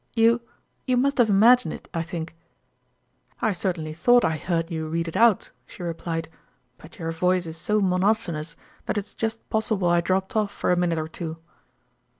You you must have imagined it, I think !" "I certainly thought I heard you read it out," she replied ;" but your voice is so mo notonous, that it's just possible I dropped off for a minute or two."